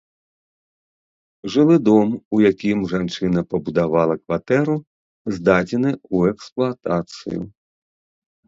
Жылы дом, у якім жанчына пабудавала кватэру, здадзены ў эксплуатацыю.